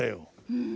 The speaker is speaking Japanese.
うん。